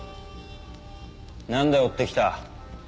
なんで追ってきた？